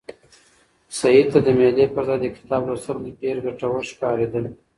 سعید ته د مېلې پر ځای د کتاب لوستل ډېر ګټور ښکارېدل.